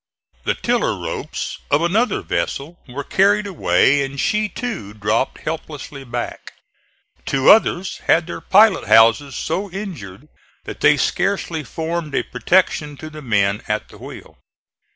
The tiller ropes of another vessel were carried away and she, too, dropped helplessly back. Two others had their pilot houses so injured that they scarcely formed a protection to the men at the wheel.